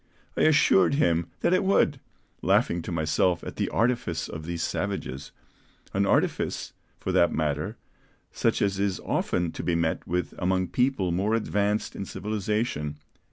I assured him that it would, laughing to myself at the artifice of these savages; an artifice, for that matter, such as is often to be met with among people more advanced in civilization."